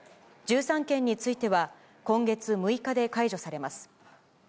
１３県については、今月６日で解除されます。